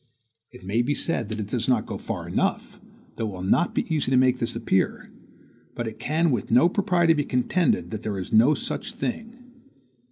It may be said that it does not go far enough, though it will not be easy to make this appear; but it can with no propriety be contended that there is no such thing.